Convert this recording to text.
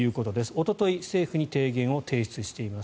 おととい政府に提言を提出しています。